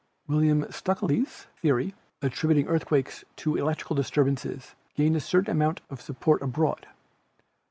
William Stukeley's theory > attributing earthquakes to electrical disturbances, gained a certain amount of support abroad.